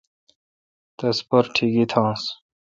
تس پر ٹھگئ تھانس۔